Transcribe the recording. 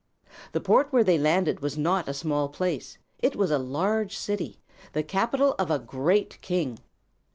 The port where they landed was not a small place; it was a large city, the capital of a great king.